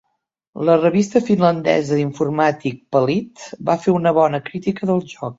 La revista finlandesa d'informàtica "Pelit" va fer una bona crítica del joc.